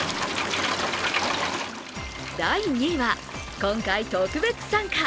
第２位は、今回特別参加。